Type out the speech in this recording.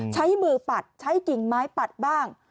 ใช้มือปัดใช้กิ่งไม้ปัดบ้าง